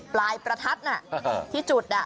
ปลายประทัศน์น่ะที่จุดน่ะ